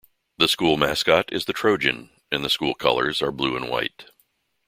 The school mascot is the Trojan; and the school colors are blue and white.